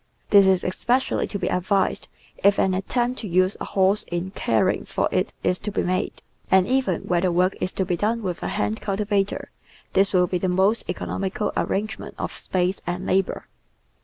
This is espe cially to be advised if an attempt to use a horse in caring for it is to be made, and even where the work is to be done with a hand cultivator this will be the most economical arrangement of space and labour.